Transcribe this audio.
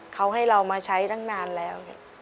เขาให้เรามาใช้ตั้งนานแล้ว